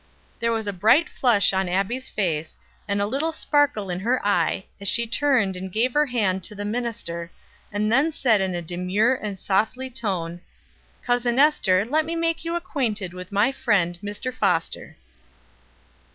There was a bright flush on Abbie's face, and a little sparkle in her eye, as she turned and gave her hand to the minister, and then said in a demure and softly tone: "Cousin Ester, let me make you acquainted with my friend, Mr. Foster."